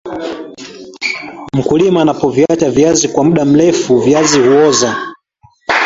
mkulima anapoviacha viazi kwa mda mrefu viazi huoza